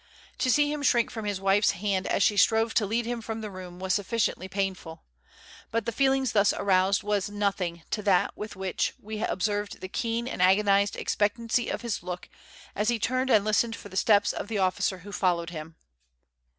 To see him shrink from his wife's hand as she strove to lead him from the room was sufficiently painful; but the feeling thus aroused was nothing to that with which we observed the keen and agonized expectancy of his look as he turned and listened for the steps of the officer who followed him.